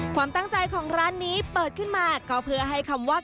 ความตั้งใจของร้านนี้เปิดขึ้นมาก็เพื่อให้คำว่า